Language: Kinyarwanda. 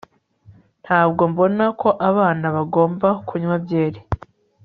ntabwo mbona ko abana bagomba kunywa byeri